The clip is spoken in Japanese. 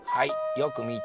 よくみた。